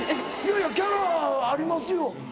いやキャラありますよ。